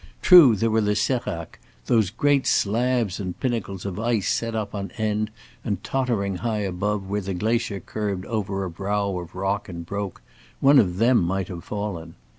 True, there were the séracs those great slabs and pinnacles of ice set up on end and tottering, high above, where the glacier curved over a brow of rock and broke one of them might have fallen.